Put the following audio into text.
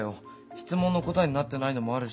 質問の答えになってないのもあるし